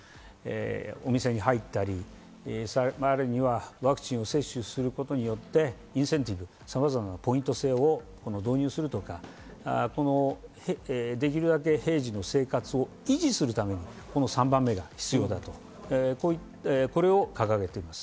お店に入ったり、ワクチンを接種することによって、インセンティブ、さまざまなポイント制を導入するとか、できるだけ平時の生活を維持するために３番目が必要だと、それを掲げています。